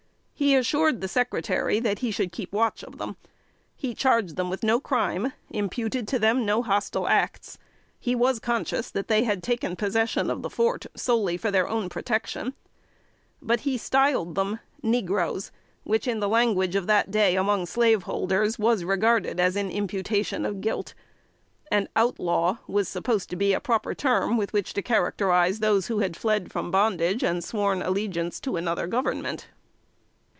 He assured the Secretary, that he should keep watch of them. He charged them with no crime, imputed to them no hostile acts. He was conscious that they had taken possession of the fort solely for their own protection; but he styled them negroes, which, in the language of that day among slaveholders, was regarded as an imputation of guilt; and outlaw was supposed to be a proper term with which to characterize those who had fled from bondage and sworn allegiance to another government.